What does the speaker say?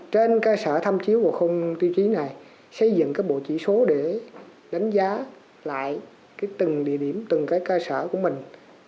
trên cơ sở tham chiếu của khung tiêu chí này xây dựng cái bộ chỉ số để đánh giá lại từng địa điểm từng cái cơ sở của mình